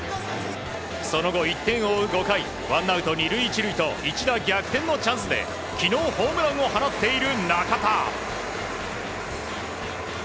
その後、１点を追う５回ワンアウト２塁１塁と一打逆転のチャンスで昨日ホームランを放っている中田。